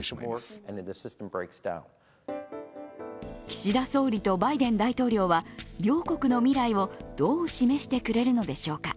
岸田総理とバイデン大統領は両国の未来をどう示してくれるのでしょうか。